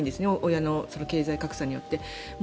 親の経済格差によって。